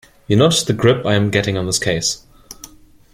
You notice the grip I am getting on this case.